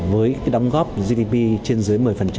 với đóng góp gdp trên dưới một mươi